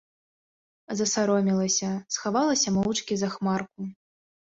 Засаромелася, схавалася моўчкі за хмарку.